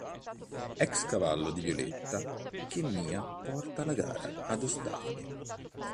Ex cavallo di Violetta che Mia porta alla gara ad ostacoli.